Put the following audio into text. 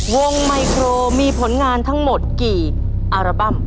ไมโครมีผลงานทั้งหมดกี่อัลบั้ม